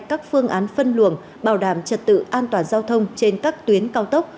các phương án phân luồng bảo đảm trật tự an toàn giao thông trên các tuyến cao tốc